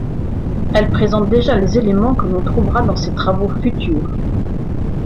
Elle présente déjà les éléments que l'on trouvera dans ses travaux futurs.